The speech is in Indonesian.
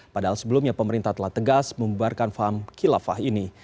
padahal sebelumnya pemerintah telah tegas membuarkan faham kilafah ini